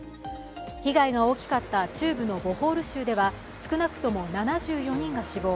被害が大きかった中部のボホール州では少なくとも７４人が死亡。